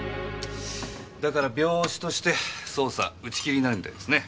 だから病死として捜査打ち切りになるみたいですね。